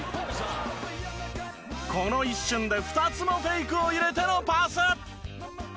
この一瞬で２つのフェイクを入れてのパス。